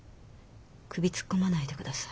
首突っ込まないでください。